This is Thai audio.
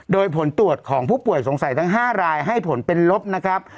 โดยผลตรวจของผู้ป่วยสงสัยทั้ง๕รายให้ผลเป็นลบนะครับ